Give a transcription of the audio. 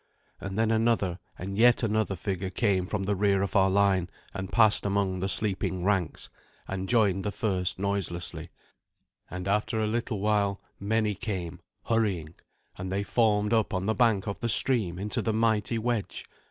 And then another and yet another figure came from the rear of our line, and passed among the sleeping ranks, and joined the first noiselessly; and after a little while many came, hurrying, and they formed up on the bank of the stream into the mighty wedge.